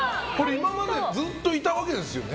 今までずっといたわけですよね。